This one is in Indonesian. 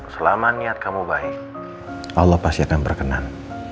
selama niat kamu baik allah pasti akan berkenan